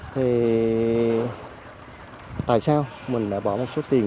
thì tại sao mình lại bỏ một số tiền